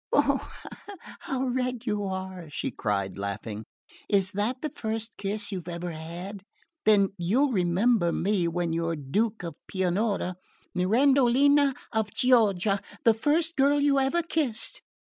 "Oh, how red you are!" she cried laughing. "Is that the first kiss you've ever had? Then you'll remember me when you're Duke of Pianura Mirandolina of Chioggia, the first girl you ever kissed!"